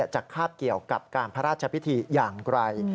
คาบเกี่ยวกับการพระราชพิธีอย่างไกล